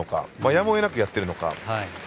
やむをえなくやっているのか。